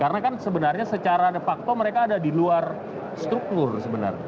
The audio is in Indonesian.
karena kan sebenarnya secara de facto mereka ada di luar struktur sebenarnya